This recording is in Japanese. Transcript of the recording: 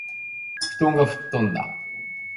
布団がふっとんだ